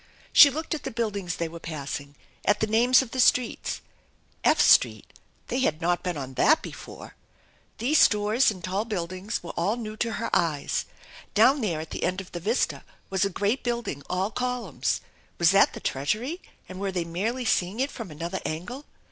She looked j,t the buildings they were passing, at the names of the streets F Street they had not been on that before! These stores tnd tall buildings were all new to her eyes. Down there at the end of the vista was a great building all columns. Was that the Treasury and were they merely seeing it from another angle?